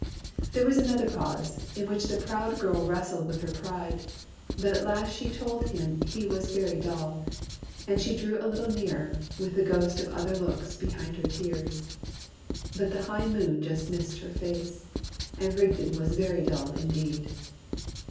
There was another pause, in which the proud girl wrestled with her pride. But at last she told him he was very dull. And she drew a little nearer, with the ghost of other looks behind her tears. But the high moon just missed her face. And Rigden was very dull indeed.